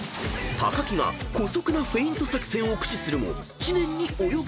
［木が姑息なフェイント作戦を駆使するも知念に及ばず］